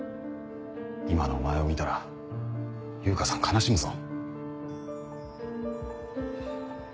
今のお前を見たら悠香さん悲しむぞ。